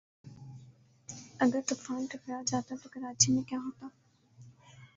اگر طوفان ٹکرا جاتا تو کراچی میں کیا ہوتا